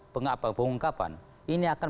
pengungkapan ini akan